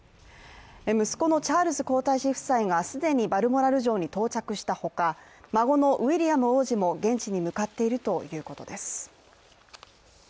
息子のチャールズ皇太子夫妻が既にバルモラル城に到着したほか孫のウィリアム王子も現地に向かっているということです。